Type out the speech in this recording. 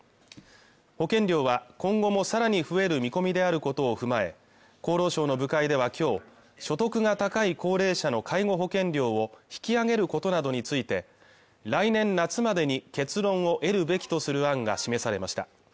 保険料は今後もさらに増える見込みであることを踏まえ厚労省の部会ではきょう所得が高い高齢者の介護保険料を引き上げることなどについて来年夏までに結論を得るべきとする案が示されました